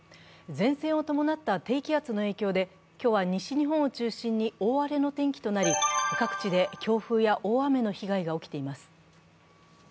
前線を伴った低気圧の影響で今日は西日本を中心に大荒れの天気となり、各地で強風や大雨の被害が起きています。